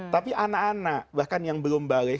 tapi anak anak bahkan yang belum balik